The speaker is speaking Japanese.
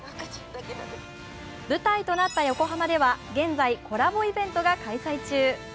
舞台となった横浜では現在、コラボイベントが開催中。